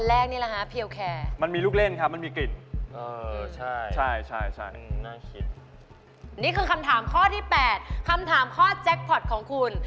นี่คือคำถามข้อที่๘คำถามข้อแจ็คพอร์ตของคุณ